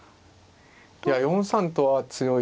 いや４三とは強いですね。